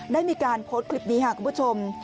ได้มีการโพสต์คลิปนี้ค่ะคุณผู้ชม